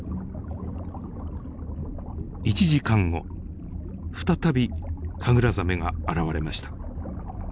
１時間後再びカグラザメが現れました。